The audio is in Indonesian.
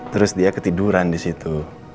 terus dia ketiduran disitu